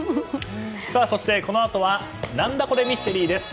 そしてこのあとは「何だコレ！？ミステリー」です。